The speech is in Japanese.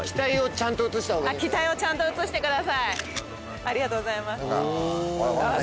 達ありがとうございます